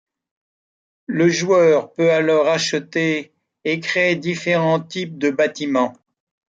Le joueur peut alors acheter et créer différents types de bâtiments.